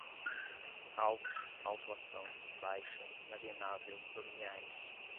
autos, autuação, baixa, inalienável, dominiais